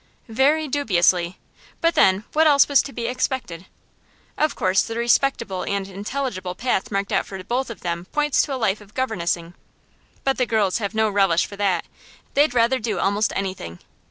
'Very dubiously; but then what else was to be expected? Of course, the respectable and intelligible path marked out for both of them points to a lifetime of governessing. But the girls have no relish for that; they'd rather do almost anything.